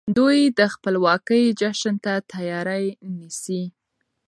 دوی د خپلواکۍ جشن ته تياری نيسي.